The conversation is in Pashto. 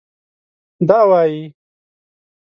دا وايي